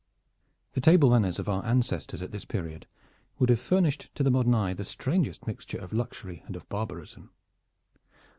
The table manners of our ancestors at this period would have furnished to the modern eye the strangest mixture of luxury and of barbarism.